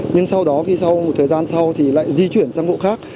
nhưng sau đó thì sau một thời gian sau thì lại di chuyển sang hộ khác